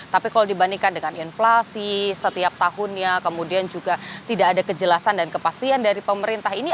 tapi kalau dibandingkan dengan inflasi setiap tahunnya kemudian juga tidak ada kejelasan dan kepastian dari pemerintah ini